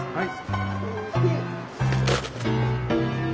はい。